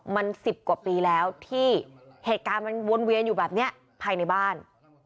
มัน๑๐กว่าปีแล้วที่เหตุการณ์มันวนเวียนอยู่แบบนี้ภายในบ้าน